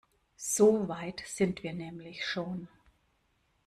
So weit sind wir nämlich schon.